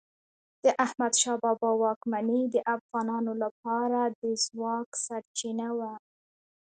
د احمد شاه بابا واکمني د افغانانو لپاره د ځواک سرچینه وه.